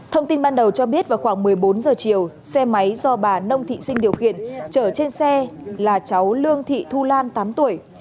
thông tin ban đầu cho biết vào khoảng một mươi bốn giờ chiều xe máy do bà nông thị sinh điều khiển chở trên xe là cháu lương thị thu lan tám tuổi